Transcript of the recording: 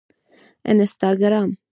انسټاګرام